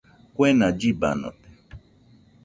Kuena llibanote.